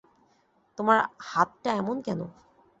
তোমার হাতটা এমন কেন?